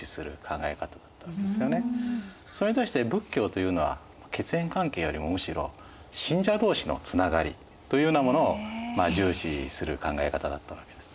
それに対して仏教というのは血縁関係よりもむしろ信者同士のつながりというようなものを重視する考え方だったわけです。